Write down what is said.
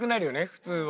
普通は。